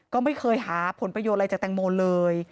ก็ไม่เคยหาผลประโยชน์อะไรจากแตงโมเลย